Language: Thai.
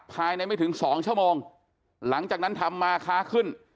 ภายในไม่ถึงสองชั่วโมงหลังจากนั้นทำมาค้าขึ้น